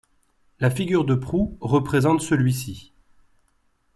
La figure de proue représente celui-ci.